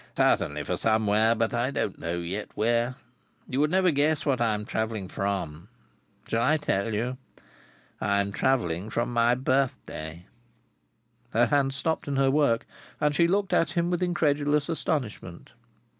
"Certainly for Somewhere; but I don't yet know Where. You would never guess what I am travelling from. Shall I tell you? I am travelling from my birthday." Her hands stopped in her work, and she looked at him with incredulous astonishment.